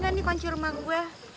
gak nih pancing rumah gue